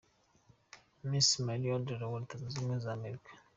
Miss Mari Audra wa Leta Zunze Ubumwe za Amerika.